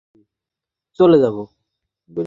এমনিতেই আইপিএস এর ট্রেনিং এ চলে যাব।